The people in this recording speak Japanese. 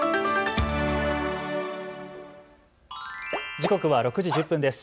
時刻は６時１０分です。